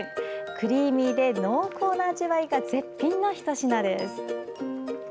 クリーミーで濃厚な味わいが絶品のひと品です。